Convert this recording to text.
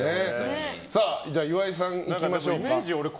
岩井さん、いきましょうか。